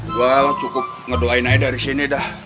gue cukup ngedoain aja dari sini dah